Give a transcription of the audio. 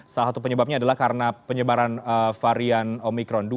salah satu penyebabnya adalah karena penyebaran varian omikron dua